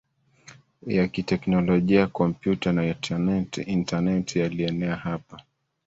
ya kiteknolojia ya kompyuta na intaneti yalienea hapa